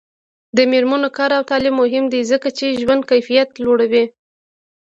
د میرمنو کار او تعلیم مهم دی ځکه چې ژوند کیفیت لوړوي.